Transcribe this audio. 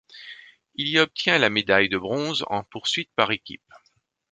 Il y obtient la médaille de bronze en poursuite par équipes.